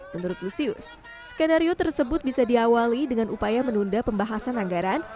menurut lusius skenario tersebut bisa diawali dengan upaya menunda pembahasan anggaran